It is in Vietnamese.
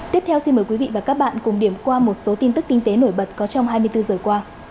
tiếp theo xin mời quý vị và các bạn cùng điểm qua một số tin tức kinh tế nổi bật có trong hai mươi bốn giờ qua